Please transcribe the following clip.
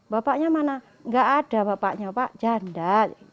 bapaknya mana nggak ada bapaknya pak janda